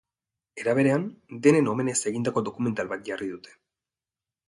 Era berean, denen omenez egindako dokumental bat jarri dute.